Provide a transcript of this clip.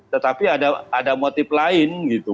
tetapi ada motif lain gitu